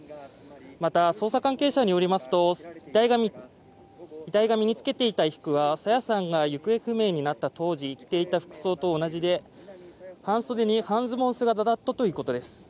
また、捜査関係者によりますと遺体が身につけていた衣服は朝芽さんが行方不明になった当時に着ていた服装と同じで半袖に半ズボン姿だったということです。